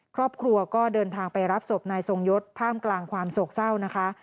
ครอบครัวก็เดินทางไปรับศพนายทรงยศท่ามกลางความโศกเศร้านะคะ